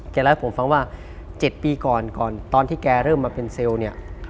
จริงแล้วผมฟังว่า๗ปีก่อนตอนที่แกเริ่มมาเป็นเซลล์